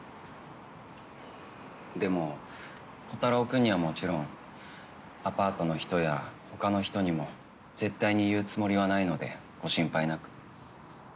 でもコタローくんにはもちろんアパートの人や他の人にも絶対に言うつもりはないのでご心配なく。